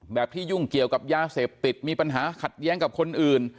ที่ยุ่งเกี่ยวกับยาเสพติดมีปัญหาขัดแย้งกับคนอื่น